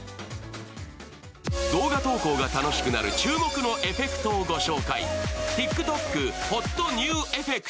動画投稿が楽しくなる注目のエフェクトをご紹介。